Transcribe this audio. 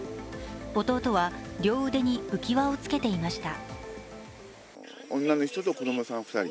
弟は両腕に浮き輪を付けていました。